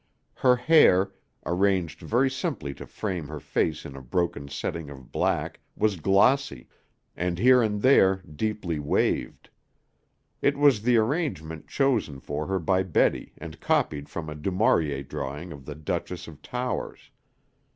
Her hair, arranged very simply to frame her face in a broken setting of black, was glossy, and here and there, deeply waved. It was the arrangement chosen for her by Betty and copied from a Du Maurier drawing of the Duchess of Towers.